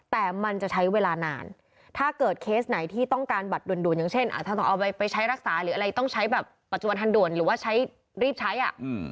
แต่มันจะใช้เวลานานถ้าเกิดเคสไหนที่ต้องการบัตรด่วนอย่างเช่นถ้าต้องเอาไปใช้รักษาหรืออะไรต้องใช้แบบปัจจุบันทันด่วนหรือว่าใช้รีบใช้อ่ะ